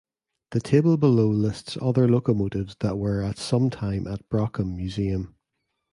The table below lists other locomotives that were at some time at Brockham Museum.